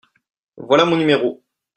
Voilà mon numéro.